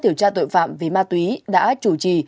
điều tra tội phạm vì ma túy đã chủ trì